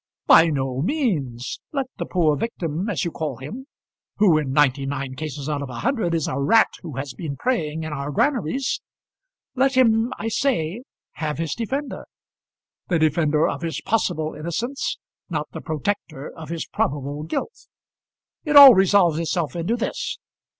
"By no means. Let the poor victim, as you call him, who in ninety nine cases out of a hundred is a rat who has been preying in our granaries, let him, I say, have his defender, the defender of his possible innocence, not the protector of his probable guilt. It, all resolves itself into this.